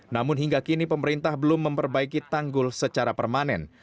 namun hingga kini pemerintah belum memperbaiki tanggul secara permanen